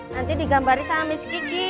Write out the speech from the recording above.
nanti digambari sama miss kiki